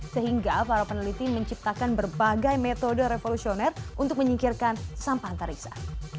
sehingga para peneliti menciptakan berbagai metode revolusioner untuk menyingkirkan sampah antariksa